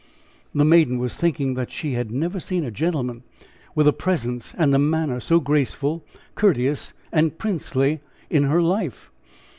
The maiden was thinking that she had never seen a gentleman with a presence and a manner so graceful, courteous and princely in her life.